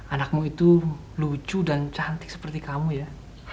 anakmu itu lucu dan cantik seperti kamu ya